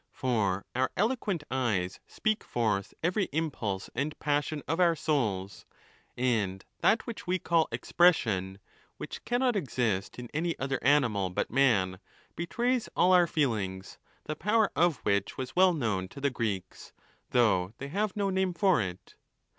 For our eloquent eyes speak forth every impulse and passion of owr souls; and that which we call expression, which cannot exist in any other animal but man, betrays all our feelings, the power of which was well known to the Greeks, though they have no name for it.